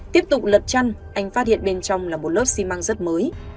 tiếp tục lật chăn anh phát hiện bên trong là một lớp xi măng rất mới